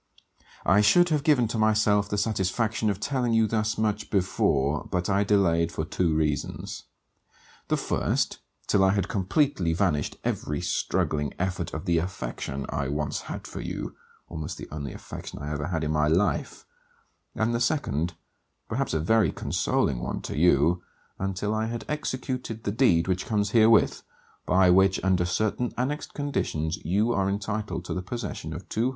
I should have given to myself the satisfaction of telling you thus much before, but I delayed for two reasons; the first, till I had completely banished every struggling effort of the affection I once had for you, almost the only affection I ever had in my life; and the second, perhaps a very consoling one to you, until I had executed the deed which comes herewith, by which under certain annexed conditions you are entitled to the possession of 200l.